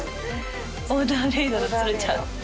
オーダーメイドの鶴ちゃん。